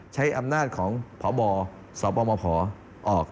ใช้อำนาจของพบสปมภออก